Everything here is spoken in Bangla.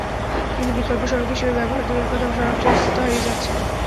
কিন্তু বিকল্প সড়ক হিসেবে ব্যবহার দূরের কথা, সড়কটির অস্তিত্ব হারিয়ে যাচ্ছে।